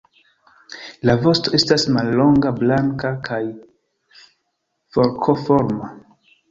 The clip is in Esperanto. La vosto estas mallonga, blanka kaj forkoforma.